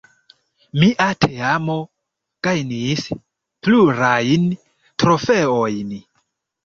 Mia teamo gajnis plurajn trofeojn.